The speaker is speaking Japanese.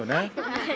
はい。